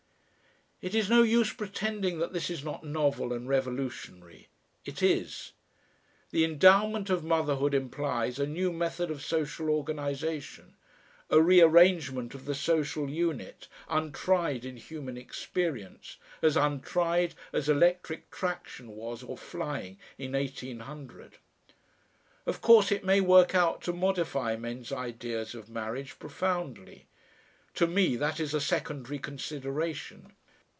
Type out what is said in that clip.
It is no use pretending that this is not novel and revolutionary; it is. The Endowment of Motherhood implies a new method of social organization, a rearrangement of the social unit, untried in human experience as untried as electric traction was or flying in 1800. Of course, it may work out to modify men's ideas of marriage profoundly. To me that is a secondary consideration.